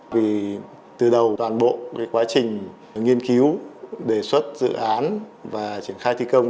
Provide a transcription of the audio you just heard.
vì từ đầu toàn bộ quá trình nghiên cứu đề xuất dự án và triển khai thi công